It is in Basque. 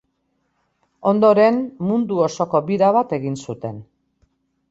Ondoren, mundu osoko bira bat egin zuten.